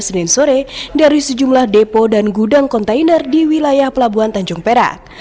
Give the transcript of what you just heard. senin sore dari sejumlah depo dan gudang kontainer di wilayah pelabuhan tanjung perak